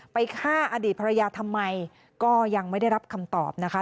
ฆ่าอดีตภรรยาทำไมก็ยังไม่ได้รับคำตอบนะคะ